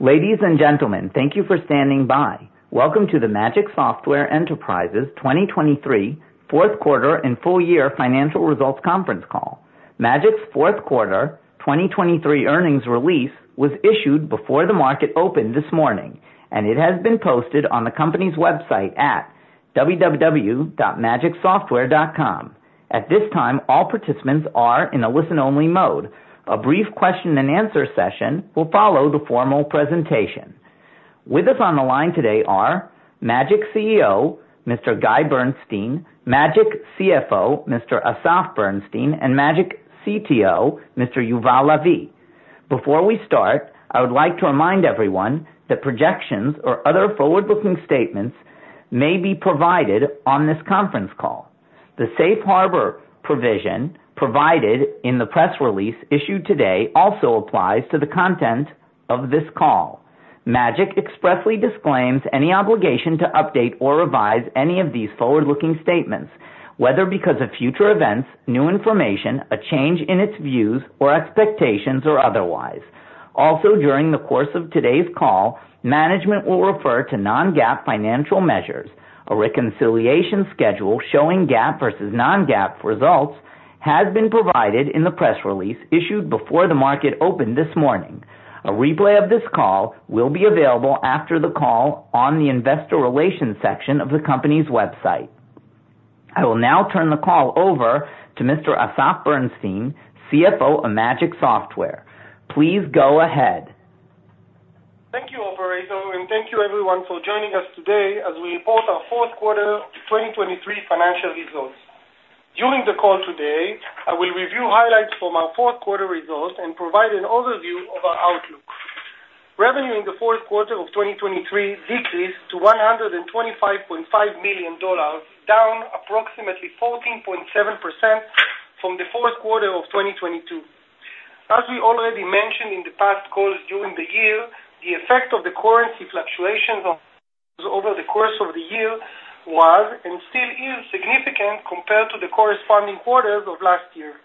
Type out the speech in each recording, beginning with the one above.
Ladies and gentlemen, thank you for standing by. Welcome to the Magic Software Enterprises 2023 fourth quarter and full year financial results conference call. Magic's fourth quarter 2023 earnings release was issued before the market opened this morning, and it has been posted on the company's website at www.magicsoftware.com. At this time, all participants are in a listen-only mode. A brief question-and-answer session will follow the formal presentation. With us on the line today are Magic CEO Mr. Guy Bernstein, Magic CFO Mr. Asaf Berenstin, and Magic CTO Mr. Yuval Lavi. Before we start, I would like to remind everyone that projections or other forward-looking statements may be provided on this conference call. The safe harbor provision provided in the press release issued today also applies to the content of this call. Magic expressly disclaims any obligation to update or revise any of these forward-looking statements, whether because of future events, new information, a change in its views, or expectations or otherwise. Also, during the course of today's call, management will refer to non-GAAP financial measures. A reconciliation schedule showing GAAP versus non-GAAP results has been provided in the press release issued before the market opened this morning. A replay of this call will be available after the call on the investor relations section of the company's website. I will now turn the call over to Mr. Asaf Berenstin, CFO of Magic Software. Please go ahead. Thank you, Operator, and thank you everyone for joining us today as we report our fourth quarter 2023 financial results. During the call today, I will review highlights from our fourth quarter results and provide an overview of our outlook. Revenue in the fourth quarter of 2023 decreased to $125.5 million, down approximately 14.7% from the fourth quarter of 2022. As we already mentioned in the past calls during the year, the effect of the currency fluctuations over the course of the year was and still is significant compared to the corresponding quarters of last year.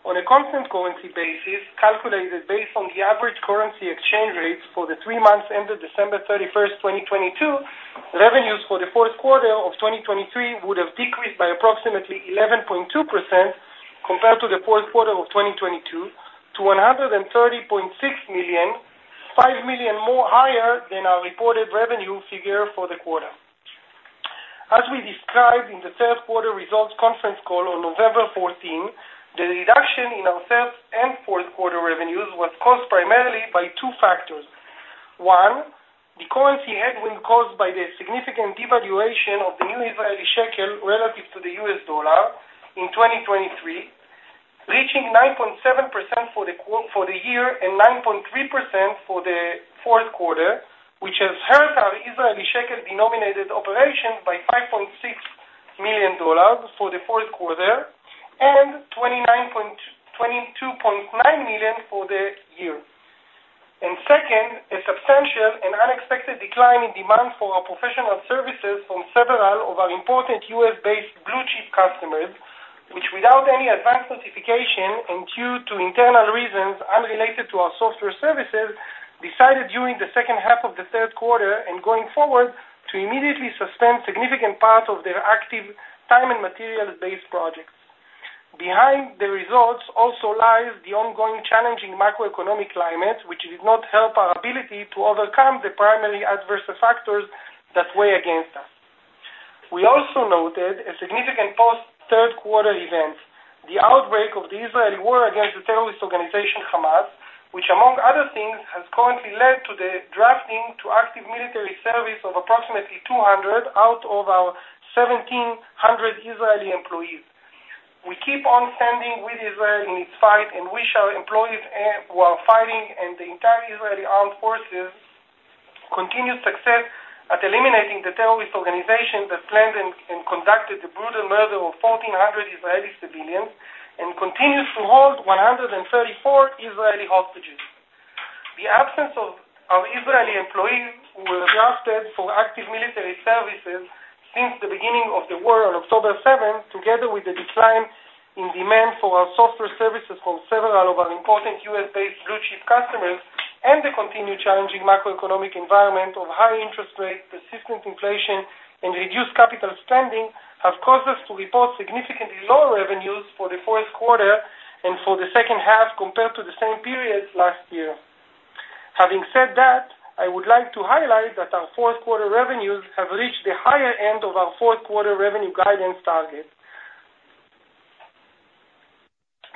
On a constant currency basis, calculated based on the average currency exchange rates for the three months ended December 31st, 2022, revenues for the fourth quarter of 2023 would have decreased by approximately 11.2% compared to the fourth quarter of 2022, to $130.6 million, $5 million higher than our reported revenue figure for the quarter. As we described in the third quarter results conference call on November 14th, the reduction in our third and fourth quarter revenues was caused primarily by two factors. One, the currency headwind caused by the significant devaluation of the new Israeli shekel relative to the U.S. dollar in 2023, reaching 9.7% for the year and 9.3% for the fourth quarter, which has hurt our Israeli shekel denominated operations by $5.6 million for the fourth quarter and $22.9 million for the year. Second, a substantial and unexpected decline in demand for our professional services from several of our important U.S.-based blue-chip customers, which without any advance notification and due to internal reasons unrelated to our software services, decided during the second half of the third quarter and going forward to immediately suspend significant part of their active time and materials-based projects. Behind the results also lies the ongoing challenging macroeconomic climate, which did not help our ability to overcome the primary adverse factors that weigh against us. We also noted a significant post-third quarter event, the outbreak of the Israeli war against the terrorist organization Hamas, which among other things has currently led to the drafting to active military service of approximately 200 out of our 1,700 Israeli employees. We keep on standing with Israel in its fight, and wish our employees who are fighting and the entire Israeli armed forces continued success at eliminating the terrorist organization that planned and conducted the brutal murder of 1,400 Israeli civilians and continues to hold 134 Israeli hostages. The absence of our Israeli employees who were drafted for active military services since the beginning of the war on October 7th, together with the decline in demand for our software services from several of our important U.S.-based blue-chip customers and the continued challenging macroeconomic environment of high interest rates, persistent inflation, and reduced capital spending, have caused us to report significantly lower revenues for the fourth quarter and for the second half compared to the same period last year. Having said that, I would like to highlight that our fourth quarter revenues have reached the higher end of our fourth quarter revenue guidance target.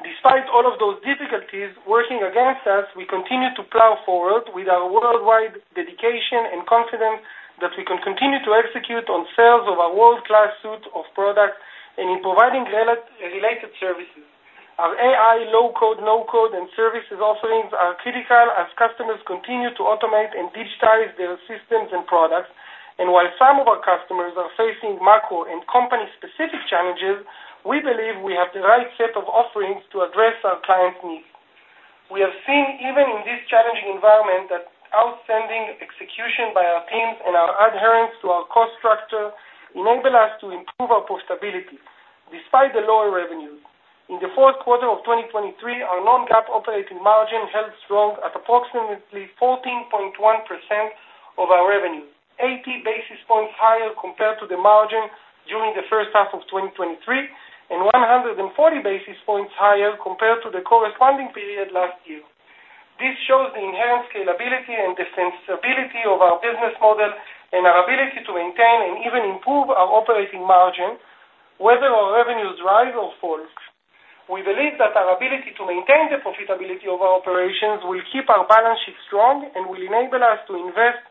Despite all of those difficulties working against us, we continue to plow forward with our worldwide dedication and confidence that we can continue to execute on sales of our world-class suite of products and in providing related services. Our AI low-code, no-code, and services offerings are critical as customers continue to automate and digitize their systems and products. And while some of our customers are facing macro and company-specific challenges, we believe we have the right set of offerings to address our clients' needs. We have seen even in this challenging environment that outstanding execution by our teams and our adherence to our cost structure enable us to improve our profitability despite the lower revenues. In the fourth quarter of 2023, our non-GAAP operating margin held strong at approximately 14.1% of our revenues, 80 basis points higher compared to the margin during the first half of 2023, and 140 basis points higher compared to the corresponding period last year. This shows the inherent scalability and defensibility of our business model and our ability to maintain and even improve our operating margin, whether our revenues rise or fall. We believe that our ability to maintain the profitability of our operations will keep our balance sheet strong and will enable us to invest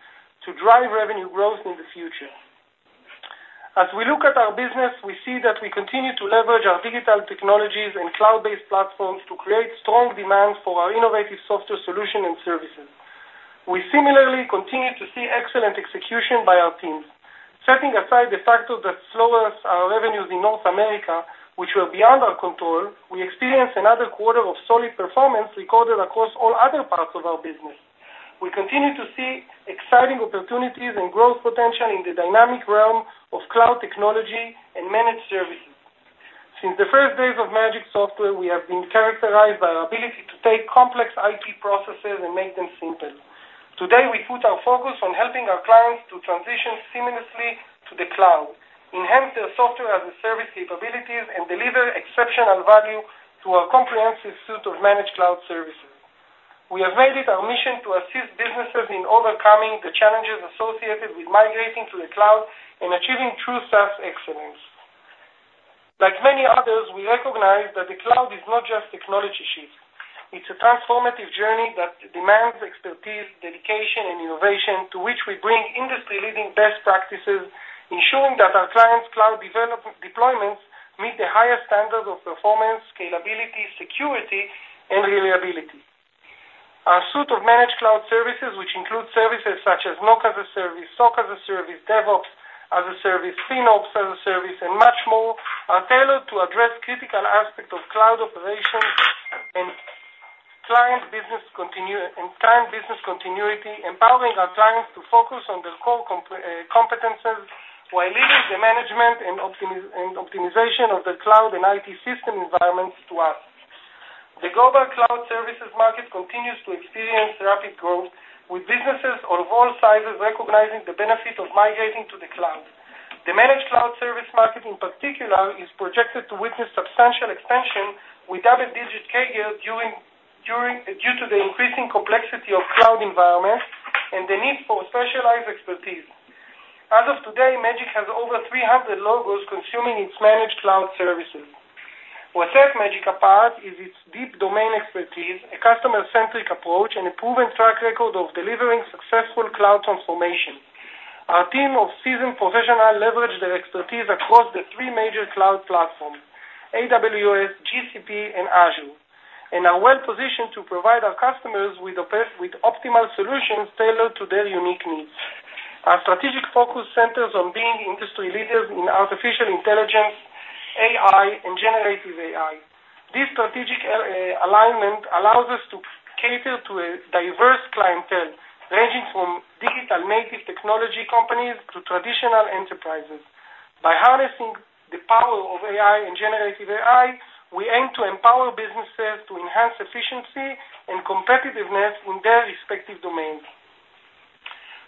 to drive revenue growth in the future. As we look at our business, we see that we continue to leverage our digital technologies and cloud-based platforms to create strong demand for our innovative software solutions and services. We similarly continue to see excellent execution by our teams. Setting aside the factor that slowed our revenues in North America, which were beyond our control, we experienced another quarter of solid performance recorded across all other parts of our business. We continue to see exciting opportunities and growth potential in the dynamic realm of cloud technology and managed services. Since the first days of Magic Software, we have been characterized by our ability to take complex IT processes and make them simple. Today, we put our focus on helping our clients to transition seamlessly to the cloud, enhance their Software-as-a-Service capabilities, and deliver exceptional value through our comprehensive suite of managed cloud services. We have made it our mission to assist businesses in overcoming the challenges associated with migrating to the cloud and achieving true SaaS excellence. Like many others, we recognize that the cloud is not just technology shift. It's a transformative journey that demands expertise, dedication, and innovation, to which we bring industry-leading best practices, ensuring that our clients' cloud deployments meet the highest standards of performance, scalability, security, and reliability. Our suite of managed cloud services, which includes services such as NOC-as-a-Service, SOC-as-a-Service, DevOps-as-a-Service, FinOps-as-a-Service, and much more, are tailored to address critical aspects of cloud operations and client business continuity, empowering our clients to focus on their core competencies while leaving the management and optimization of their cloud and IT system environments to us. The global cloud services market continues to experience rapid growth, with businesses of all sizes recognizing the benefit of migrating to the cloud. The managed cloud service market, in particular, is projected to witness substantial expansion with double-digit CAGR due to the increasing complexity of cloud environments and the need for specialized expertise. As of today, Magic has over 300 logos consuming its managed cloud services. What sets Magic apart is its deep domain expertise, a customer-centric approach, and a proven track record of delivering successful cloud transformation. Our team of seasoned professionals leveraged their expertise across the three major cloud platforms: AWS, GCP, and Azure, and are well positioned to provide our customers with optimal solutions tailored to their unique needs. Our strategic focus centers on being industry leaders in artificial intelligence, AI, and generative AI. This strategic alignment allows us to cater to a diverse clientele, ranging from digital-native technology companies to traditional enterprises. By harnessing the power of AI and generative AI, we aim to empower businesses to enhance efficiency and competitiveness in their respective domains.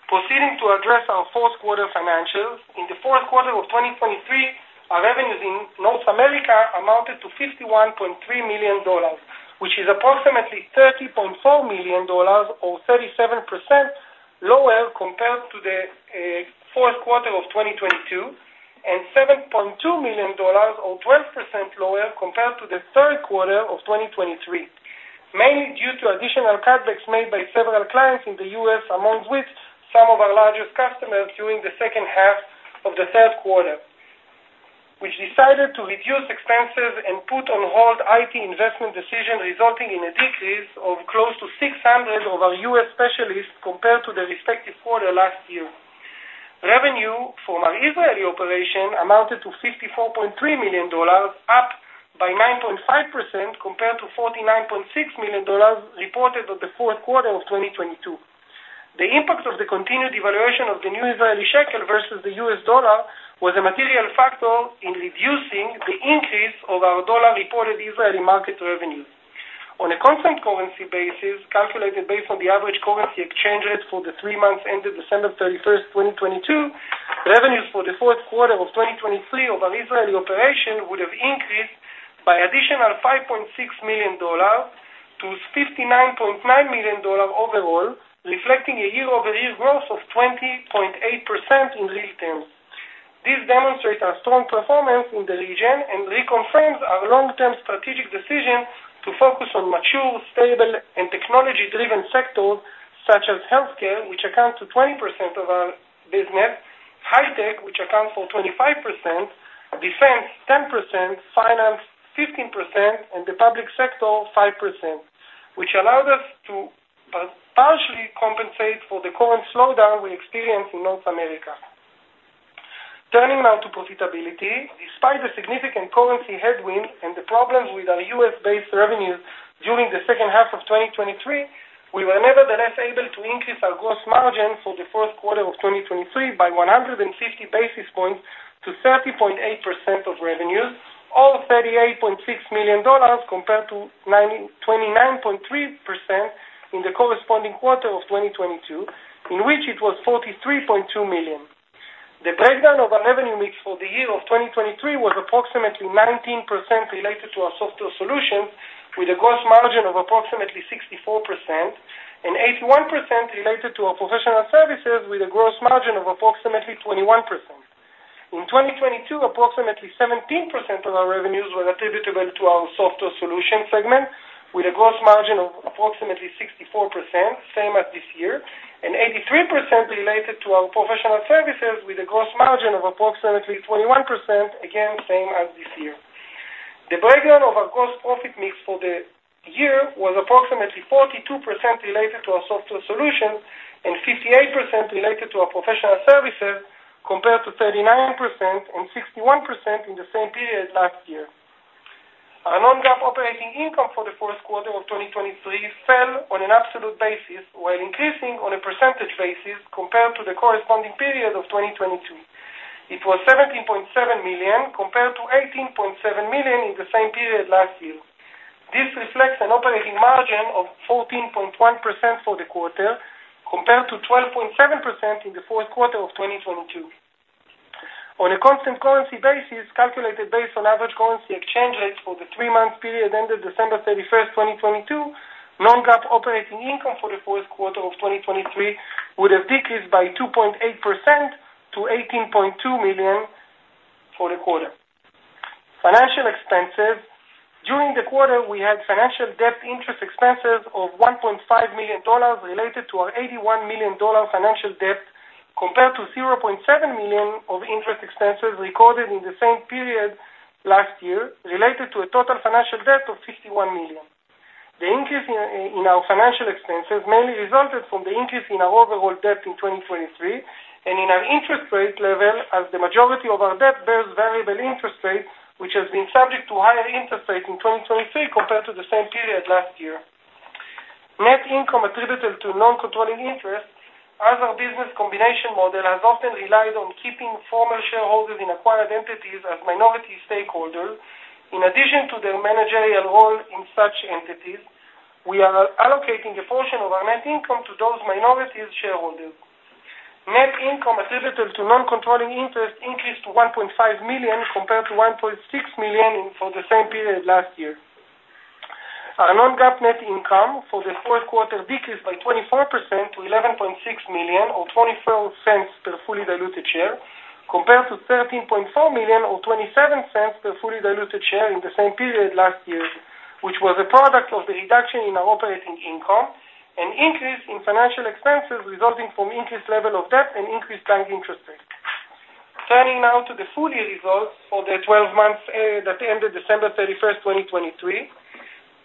Proceeding to address our fourth quarter financials, in the fourth quarter of 2023, our revenues in North America amounted to $51.3 million, which is approximately $30.4 million or 37% lower compared to the fourth quarter of 2022, and $7.2 million or 12% lower compared to the third quarter of 2023, mainly due to additional cutbacks made by several clients in the U.S., among which some of our largest customers during the second half of the third quarter, which decided to reduce expenses and put on hold IT investment decisions resulting in a decrease of close to 600 of our U.S. specialists compared to the respective quarter last year. Revenue from our Israeli operation amounted to $54.3 million, up by 9.5% compared to $49.6 million reported for the fourth quarter of 2022. The impact of the continued devaluation of the new Israeli shekel versus the U.S. dollar was a material factor in reducing the increase of our dollar-reported Israeli market revenues. On a constant currency basis, calculated based on the average currency exchange rate for the three months ended December 31st, 2022, revenues for the fourth quarter of 2023 of our Israeli operation would have increased by additional $5.6 million to $59.9 million overall, reflecting a year-over-year growth of 20.8% in real terms. This demonstrates our strong performance in the region and reconfirms our long-term strategic decision to focus on mature, stable, and technology-driven sectors such as healthcare, which account for 20% of our business, high-tech, which accounts for 25%, defense, 10%, finance, 15%, and the public sector, 5%, which allowed us to partially compensate for the current slowdown we experience in North America. Turning now to profitability, despite the significant currency headwind and the problems with our U.S.-based revenues during the second half of 2023, we were nevertheless able to increase our gross margin for the fourth quarter of 2023 by 150 basis points to 30.8% of revenues, on $38.6 million compared to 29.3% in the corresponding quarter of 2022, in which it was $43.2 million. The breakdown of our revenue mix for the year of 2023 was approximately 19% related to our Software Solutions, with a gross margin of approximately 64%, and 81% related to our Professional Services, with a gross margin of approximately 21%. In 2022, approximately 17% of our revenues were attributable to our Software Solutions segment, with a gross margin of approximately 64%, same as this year, and 83% related to our Professional Services, with a gross margin of approximately 21%, again same as this year. The breakdown of our gross profit mix for the year was approximately 42% related to our Software Solutions and 58% related to our Professional Services compared to 39% and 61% in the same period last year. Our non-GAAP operating income for the fourth quarter of 2023 fell on an absolute basis while increasing on a percentage basis compared to the corresponding period of 2022. It was $17.7 million compared to $18.7 million in the same period last year. This reflects an operating margin of 14.1% for the quarter compared to 12.7% in the fourth quarter of 2022. On a constant currency basis, calculated based on average currency exchange rates for the three-month period ended December 31st, 2022, non-GAAP operating income for the fourth quarter of 2023 would have decreased by 2.8% to $18.2 million for the quarter. Financial expenses: During the quarter, we had financial debt interest expenses of $1.5 million related to our $81 million financial debt compared to $0.7 million of interest expenses recorded in the same period last year, related to a total financial debt of $51 million. The increase in our financial expenses mainly resulted from the increase in our overall debt in 2023 and in our interest rate level, as the majority of our debt bears variable interest rate, which has been subject to higher interest rates in 2023 compared to the same period last year. Net income attributed to non-controlling interest: As our business combination model has often relied on keeping former shareholders in acquired entities as minority stakeholders, in addition to their managerial role in such entities, we are allocating a portion of our net income to those minority shareholders. Net income attributed to non-controlling interest increased to $1.5 million compared to $1.6 million for the same period last year. Our non-GAAP net income for the fourth quarter decreased by 24% to $11.6 million or $0.24 per fully diluted share compared to $13.4 million or $0.27 per fully diluted share in the same period last year, which was a result of the reduction in our operating income and increase in financial expenses resulting from increased level of debt and increased bank interest rate. Turning now to the full-year results for the 12-month period that ended December 31st, 2023: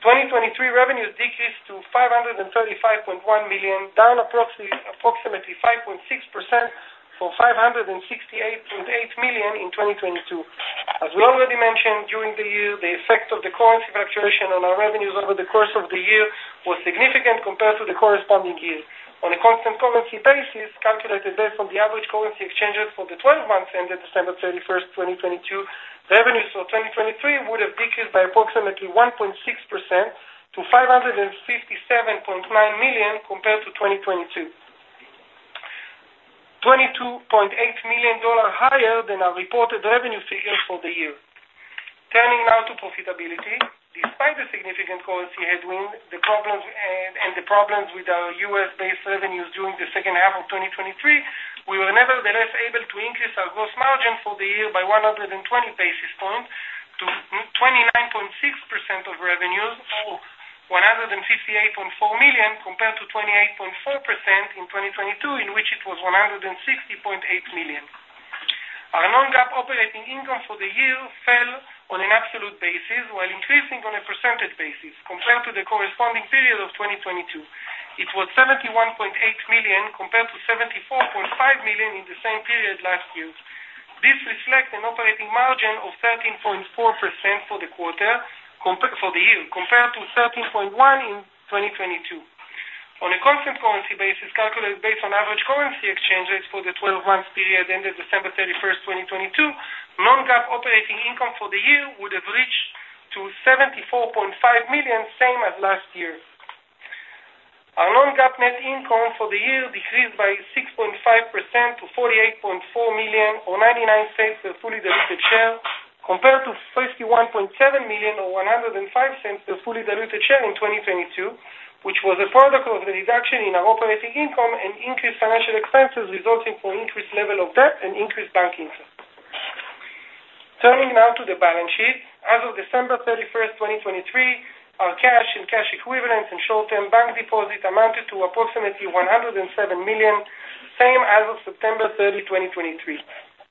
2023 revenues decreased to $535.1 million, down approximately 5.6% from $568.8 million in 2022. As we already mentioned during the year, the effect of the currency fluctuation on our revenues over the course of the year was significant compared to the corresponding year. On a constant currency basis, calculated based on the average currency exchange rate for the 12-month ended December 31st, 2022, revenues for 2023 would have decreased by approximately 1.6% to $557.9 million compared to 2022, $22.8 million higher than our reported revenue figures for the year. Turning now to profitability: Despite the significant currency headwind and the problems with our U.S.-based revenues during the second half of 2023, we were nevertheless able to increase our gross margin for the year by 120 basis points to 29.6% of revenues, or $158.4 million compared to 28.4% in 2022, in which it was $160.8 million. Our Non-GAAP operating income for the year fell on an absolute basis while increasing on a percentage basis compared to the corresponding period of 2022. It was $71.8 million compared to $74.5 million in the same period last year. This reflects an operating margin of 13.4% for the year compared to 13.1% in 2022. On a constant currency basis, calculated based on average currency exchange rates for the 12-month period ended December 31st, 2022, non-GAAP operating income for the year would have reached to $74.5 million, same as last year. Our non-GAAP net income for the year decreased by 6.5% to $48.4 million or $0.99 per fully diluted share compared to $51.7 million or $1.05 per fully diluted share in 2022, which was a product of the reduction in our operating income and increased financial expenses resulting from increased level of debt and increased bank interest. Turning now to the balance sheet: As of December 31st, 2023, our cash and cash equivalents and short-term bank deposit amounted to approximately $107 million, same as of September 30th, 2023.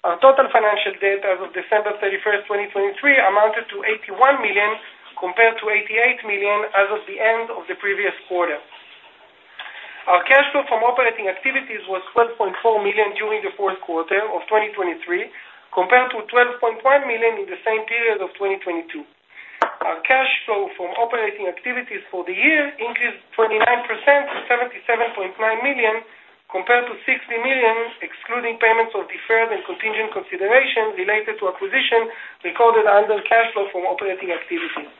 Our total financial debt as of December 31st, 2023, amounted to $81 million compared to $88 million as of the end of the previous quarter. Our cash flow from operating activities was $12.4 million during the fourth quarter of 2023 compared to $12.1 million in the same period of 2022. Our cash flow from operating activities for the year increased 29% to $77.9 million compared to $60 million, excluding payments of deferred and contingent considerations related to acquisitions recorded under cash flow from operating activities.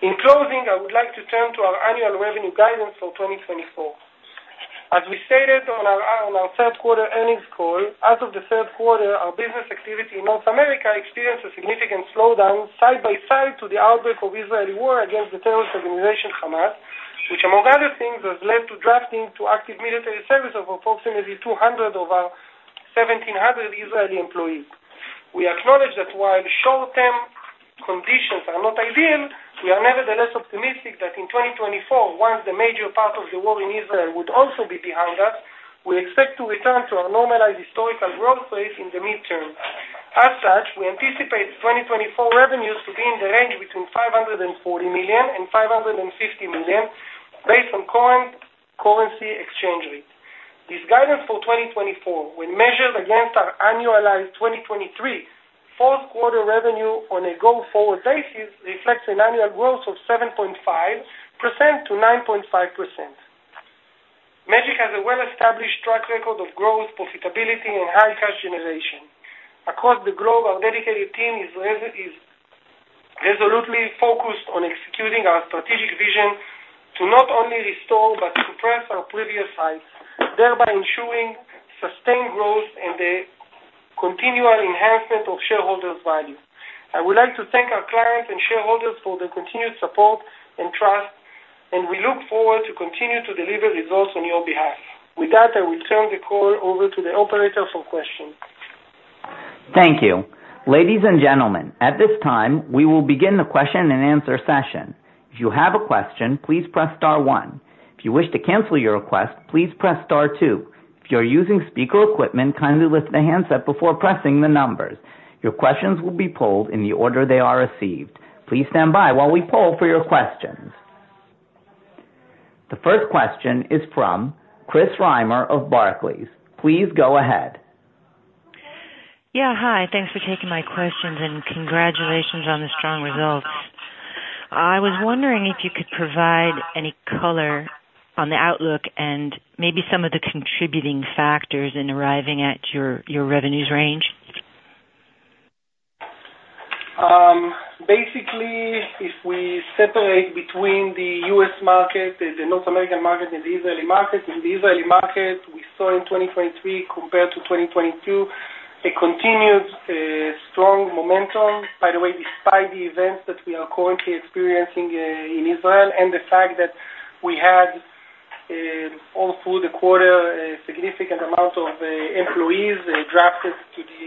In closing, I would like to turn to our annual revenue guidance for 2024. As we stated on our third quarter earnings call, as of the third quarter, our business activity in North America experienced a significant slowdown side by side to the outbreak of Israeli war against the terrorist organization Hamas, which, among other things, has led to drafting to active military service of approximately 200 of our 1,700 Israeli employees. We acknowledge that while short-term conditions are not ideal, we are nevertheless optimistic that in 2024, once the major part of the war in Israel would also be behind us, we expect to return to our normalized historical growth rate in the midterm. As such, we anticipate 2024 revenues to be in the range between $540 million-$550 million based on current currency exchange rate. This guidance for 2024, when measured against our annualized 2023 fourth quarter revenue on a go-forward basis, reflects an annual growth of 7.5%-9.5%. Magic has a well-established track record of growth, profitability, and high cash generation. Across the globe, our dedicated team is resolutely focused on executing our strategic vision to not only restore but surpass our previous heights, thereby ensuring sustained growth and the continual enhancement of shareholders' value. I would like to thank our clients and shareholders for their continued support and trust, and we look forward to continuing to deliver results on your behalf. With that, I will turn the call over to the operator for questions. Thank you. Ladies and gentlemen, at this time, we will begin the question and answer session. If you have a question, please press star one. If you wish to cancel your request, please press star two. If you are using speaker equipment, kindly lift the handset before pressing the numbers. Your questions will be polled in the order they are received. Please stand by while we poll for your questions. The first question is from Chris Reimer of Barclays. Please go ahead. Yeah. Hi. Thanks for taking my questions and congratulations on the strong results. I was wondering if you could provide any color on the outlook and maybe some of the contributing factors in arriving at your revenues range? Basically, if we separate between the U.S. market, the North American market, and the Israeli market, in the Israeli market, we saw in 2023 compared to 2022 a continued strong momentum. By the way, despite the events that we are currently experiencing in Israel and the fact that we had, all through the quarter, a significant amount of employees drafted to the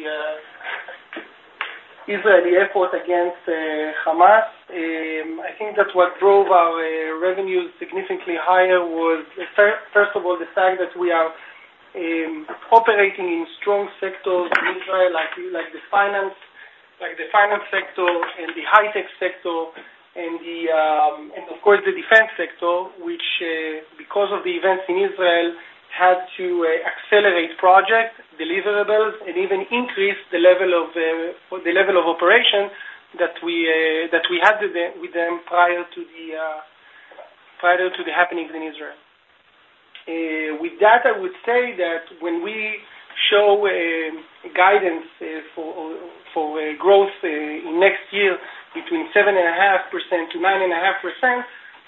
Israeli effort against Hamas, I think that what drove our revenues significantly higher was, first of all, the fact that we are operating in strong sectors in Israel like the finance sector and the high-tech sector and, of course, the defense sector, which, because of the events in Israel, had to accelerate projects, deliverables, and even increase the level of operation that we had with them prior to the happenings in Israel. With that, I would say that when we show guidance for growth in next year between 7.5%-9.5%,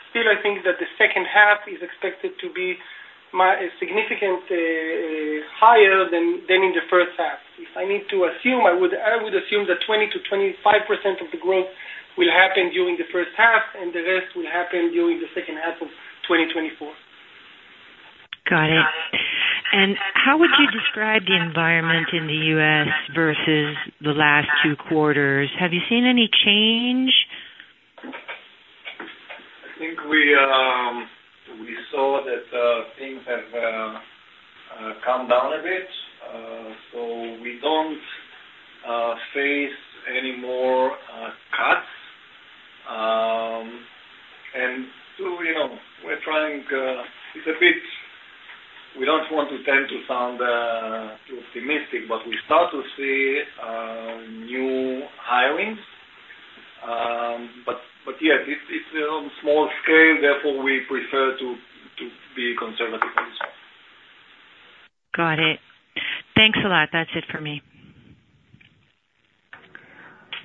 still, I think that the second half is expected to be significantly higher than in the first half. If I need to assume, I would assume that 20%-25% of the growth will happen during the first half, and the rest will happen during the second half of 2024. Got it. How would you describe the environment in the U.S. versus the last two quarters? Have you seen any change? I think we saw that things have come down a bit. So we don't face any more cuts. And we're trying, it's a bit, we don't want to tend to sound too optimistic, but we start to see new hirings. But yes, it's on small scale. Therefore, we prefer to be conservative on this one. Got it. Thanks a lot. That's it for me.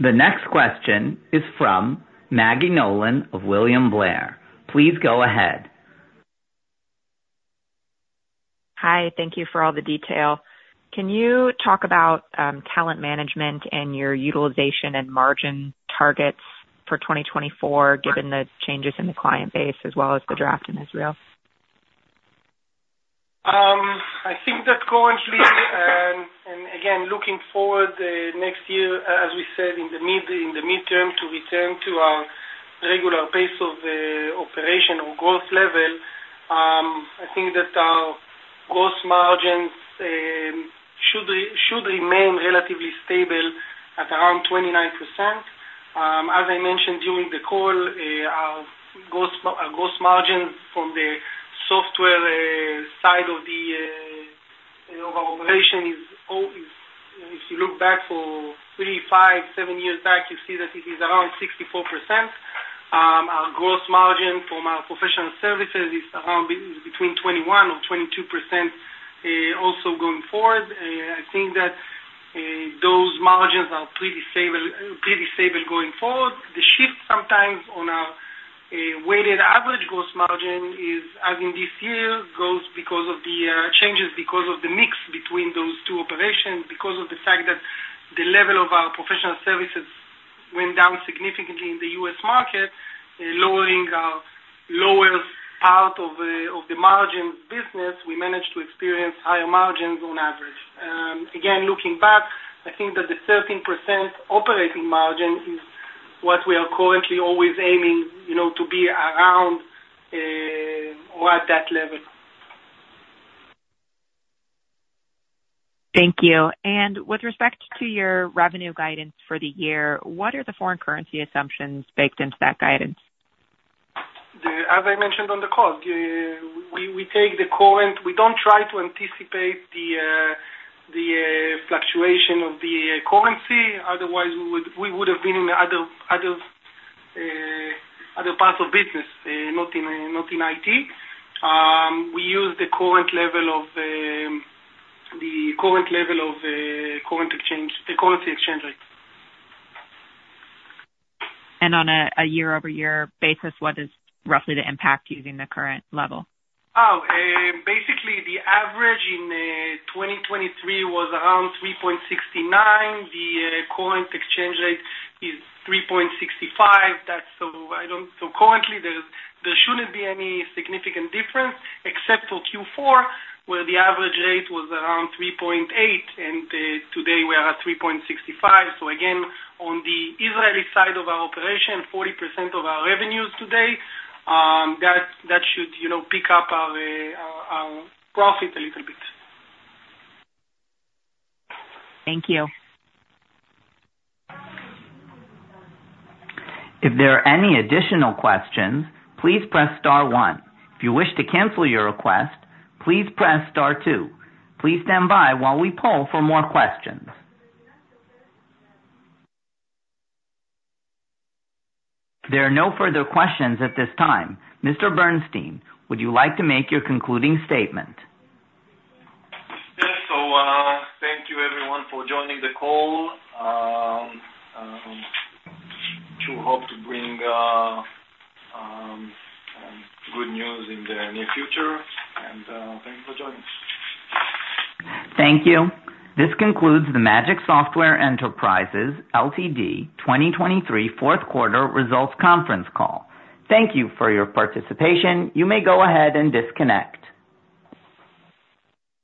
The next question is from Maggie Nolan of William Blair. Please go ahead. Hi. Thank you for all the detail. Can you talk about talent management and your utilization and margin targets for 2024 given the changes in the client base as well as the draft in Israel? I think that currently and again, looking forward next year, as we said, in the midterm to return to our regular pace of operation or growth level, I think that our gross margins should remain relatively stable at around 29%. As I mentioned during the call, our gross margins from the Software side of our operation is if you look back for three, five, seven years back, you see that it is around 64%. Our gross margin from our Professional Services is between 21%-22% also going forward. I think that those margins are pretty stable going forward. The shift sometimes on our weighted average gross margin is as in this year goes because of the changes because of the mix between those two operations, because of the fact that the level of our Professional Services went down significantly in the U.S. market, lowering our lower part of the margin business, we managed to experience higher margins on average. Again, looking back, I think that the 13% operating margin is what we are currently always aiming to be around or at that level. Thank you. With respect to your revenue guidance for the year, what are the foreign currency assumptions baked into that guidance? As I mentioned on the call, we take the current. We don't try to anticipate the fluctuation of the currency. Otherwise, we would have been in other parts of business, not in IT. We use the current level of the currency exchange rate. On a year-over-year basis, what is roughly the impact using the current level? Oh. Basically, the average in 2023 was around 3.69. The current exchange rate is 3.65. So currently, there shouldn't be any significant difference except for Q4 where the average rate was around 3.8, and today, we are at 3.65. So again, on the Israeli side of our operation, 40% of our revenues today, that should pick up our profit a little bit. Thank you. If there are any additional questions, please press star one. If you wish to cancel your request, please press star two. Please stand by while we poll for more questions. There are no further questions at this time. Mr. Bernstein, would you like to make your concluding statement? Yes. So thank you, everyone, for joining the call. I do hope to bring good news in the near future. Thank you for joining us. Thank you. This concludes the Magic Software Enterprises Ltd 2023 fourth quarter results conference call. Thank you for your participation. You may go ahead and disconnect.